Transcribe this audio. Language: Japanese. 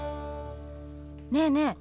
ねえねえ